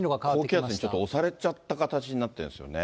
高気圧にちょっと押されちゃった形になってるんですよね。